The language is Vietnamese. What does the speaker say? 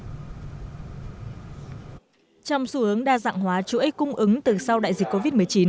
trong xu hướng đa dạng hóa chủ ích cung ứng từ sau đại dịch covid một mươi chín